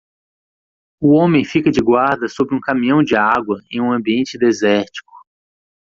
O homem fica de guarda sobre um caminhão de água em um ambiente desértico